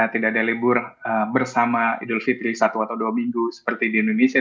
tidak ada libur bersama idul fitri satu atau dua minggu seperti di indonesia